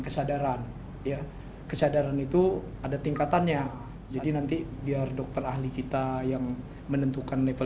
kesadaran ya kesadaran itu ada tingkatannya jadi nanti biar dokter ahli kita yang menentukan level